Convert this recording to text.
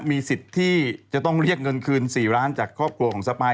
มีสิทธิ์ที่จะต้องเรียกเงินคืน๔ล้านจากครอบครัวของสปาย